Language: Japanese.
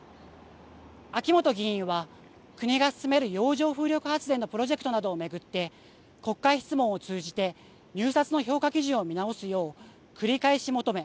秋本議員は国が進める洋上風力発電のプロジェクトなどを巡って国会質問を通じて入札の評価基準を見直すよう繰り返し求め